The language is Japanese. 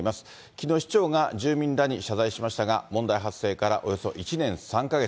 きのう、市長が住民らに謝罪しましたが、問題発生からおよそ１年３か月。